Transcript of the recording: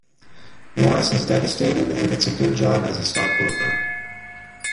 Maurice is devastated, and gets a good job as a stockbroker.